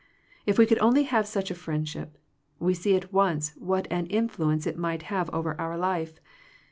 If we could only have such a friendship, we see at once what an in fluence it might have over our life.